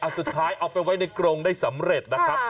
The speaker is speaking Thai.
สุดท้ายเอาไปไว้ในกรงได้สำเร็จนะครับ